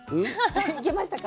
いけましたか？